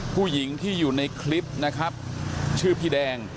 ผู้หญิงที่อยู่ในคลิปนะครับชื่อพี่แดง